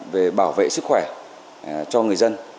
về bảo vệ sức khỏe cho người dân